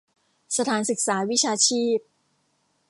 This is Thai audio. สถานศึกษาวิชาชีพ